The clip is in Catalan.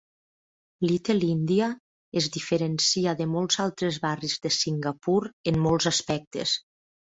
Little India es diferencia de molts altres barris de Singapur en molts aspectes.